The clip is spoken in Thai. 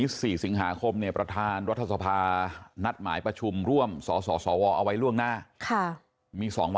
กับการกำลังเจรจาทุกนิยาทุกคนมาเรียน